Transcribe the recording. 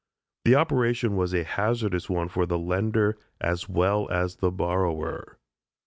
The operation was a hazardous one for the lender as well as the borrower.